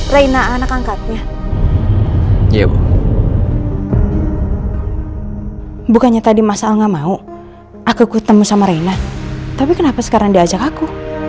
reina anak angkatnya bukannya tadi mas alga mau aku ketemu sama reina tapi kenapa sekarang diajak aku